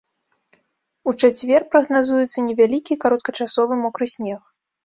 У чацвер прагназуецца невялікі кароткачасовы мокры снег.